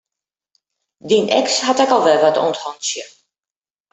Dyn eks hat ek al wer wat oan 't hantsje.